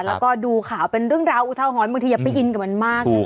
แล้วก็ดูข่าวเป็นเรื่องราวอุทหรณ์บางทีอย่าไปอินกับมันมากนะ